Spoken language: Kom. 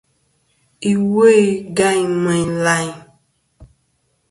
Iwo-i gayn meyn layn.